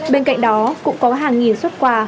bên cạnh đó cũng có hàng nghìn xuất quà